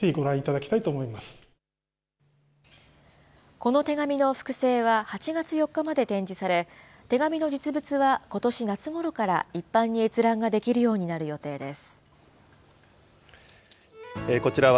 この手紙の複製は８月４日まで展示され、手紙の実物はことし夏ごろから一般に閲覧ができるようになる予定です。